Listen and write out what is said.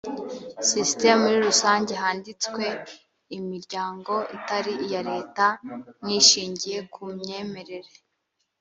system muri rusange handitswe imiryango itari iya leta n ishingiye ku myemerere